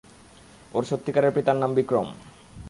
ওর সত্যিকারের পিতার নাম বিক্রম।